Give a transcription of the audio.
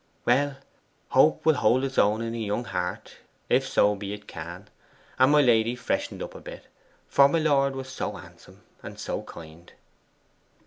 Well, hope will hold its own in a young heart, if so be it can; and my lady freshened up a bit, for my lord was SO handsome and kind.